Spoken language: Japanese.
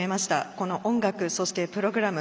この音楽、そしてプログラム